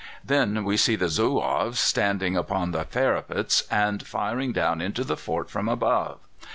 Then we see the Zouaves standing upon the parapets and firing down into the fort from above.